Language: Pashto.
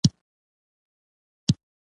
_وڅښه!